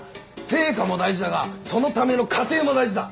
成果も大事だがそのための過程も大事だ！